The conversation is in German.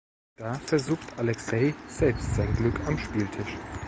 Da versucht Alexej selbst sein Glück am Spieltisch.